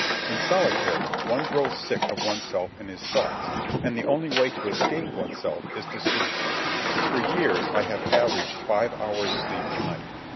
In solitary one grows sick of oneself in his thoughts, and the only way to escape oneself is to sleep. For years I had averaged five hours' sleep a night.